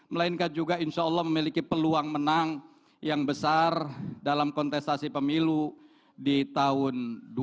melainkan juga insyaallah memiliki peluang menang yang besar dalam kontestasi pemilu di tahun dua ribu dua puluh empat